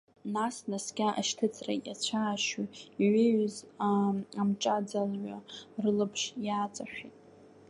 Нас, наскьа ашьҭыҵра иацәаашьо иҩеиуаз амҿаӡалҩа рылаԥш иааҵашәеит.